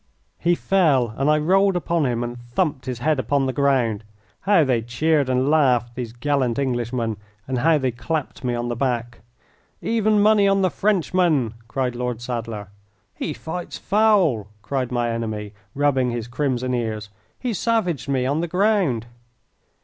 He fell, and I rolled upon him and thumped his head upon the ground. How they cheered and laughed, these gallant Englishmen, and how they clapped me on the back! "Even money on the Frenchman," cried Lord Sadler. "He fights foul," cried my enemy, rubbing his crimson ears. "He savaged me on the ground."